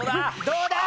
どうだ？